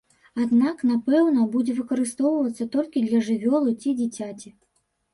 Аднак, напэўна, будзе выкарыстоўвацца толькі для жывёлы ці дзіцяці.